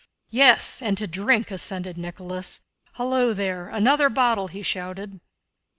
"Yes, and to drink," assented Nicholas. "Hullo there! Another bottle!" he shouted.